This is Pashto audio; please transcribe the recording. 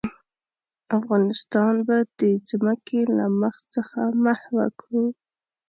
افغانستان به د ځمکې له مخ څخه محوه کړو.